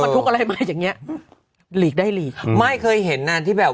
ทุกข์อะไรมาอย่างเงี้ยหลีกได้หลีกไม่เคยเห็นนานที่แบบ